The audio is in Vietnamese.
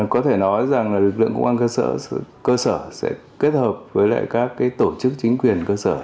có thể nói rằng lực lượng công an cơ sở sẽ kết hợp với các tổ chức chính quyền cơ sở